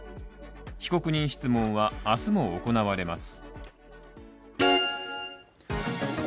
被告人質問は明日も行われます。